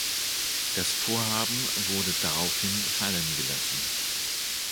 Das Vorhaben wurde daraufhin fallen gelassen.